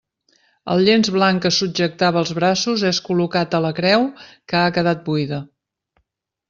El llenç blanc que subjectava els braços és col·locat a la creu que ha quedat buida.